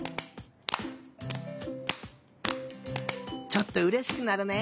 ちょっとうれしくなるね。